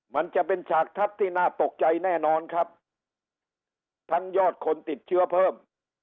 มันจะเป็นฉากทัศน์ที่น่าตกใจแน่นอนครับทั้งยอดคนติดเชื้อเพิ่ม